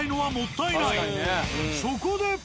そこで。